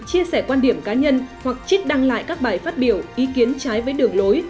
chia sẻ quan điểm cá nhân hoặc chít đăng lại các bài phát biểu ý kiến trái với đường lối